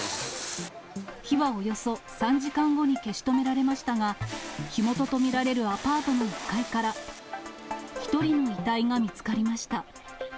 火はおよそ３時間後に消し止められましたが、火元と見られるアパートの１階から、１人の遺体が見つかりました。